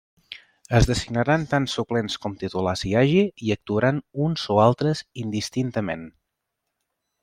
Es designaran tants suplents com titulars hi hagi i actuaran uns o altres indistintament.